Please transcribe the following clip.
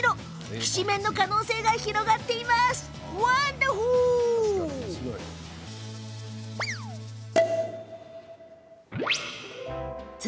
きしめんの可能性が広がりますね。